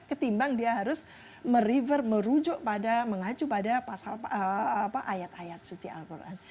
ketimbang dia harus merefer merujuk mengacu pada pasal ayat ayat suci al quran